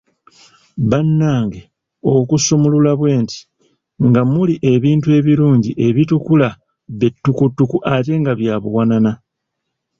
Bannange okusumulula bwenti nga muli ebintu ebirungi ebitukula be ttukuttuku ate nga bya buwanana!